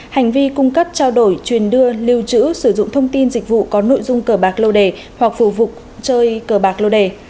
hành vi cung cấp trao đổi truyền đưa lưu trữ sử dụng thông tin dịch vụ có nội dung cờ bạc lô đề hoặc phục vụ chơi cờ bạc lô đề